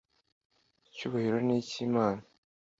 Icyubahiro ni icyi Imana